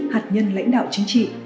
hạt nhân lãnh đạo chính trị